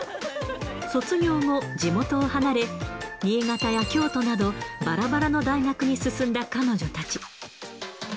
卒業後、地元を離れ、新潟や京都など、ばらばらの大学に進んだ彼女たち。